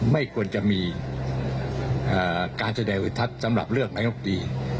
ไม่ควรจะมีการแสดงอุทัศน์สำหรับเลือกนายกดี